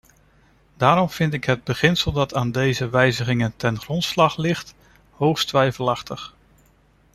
Daarom vind ik het beginsel dat aan deze wijzigingen ten grondslag ligt, hoogst twijfelachtig.